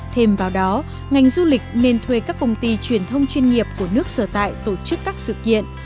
thêm vào đó ngành du lịch nên thuê các công ty truyền thông chuyên nghiệp của nước sở tại tổ chức các sự kiện